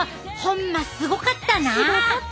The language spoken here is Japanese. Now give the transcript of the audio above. すごかったね！